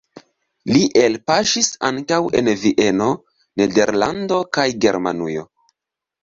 Li elpaŝis ankaŭ en Vieno, Nederlando kaj Germanujo.